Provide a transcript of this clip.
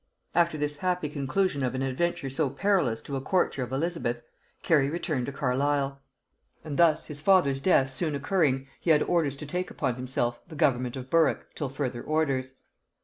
After this happy conclusion of an adventure so perilous to a courtier of Elizabeth, Cary returned to Carlisle; and his father's death soon occurring, he had orders to take upon himself the government of Berwick till further orders.